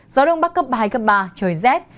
gió đông bắc cấp hai cấp ba trời rét